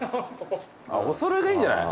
お揃いがいいんじゃない？